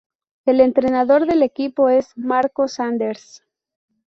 El entrenador del equipo es Marco Sanders.